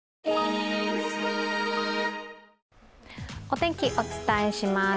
お天気、お伝えします。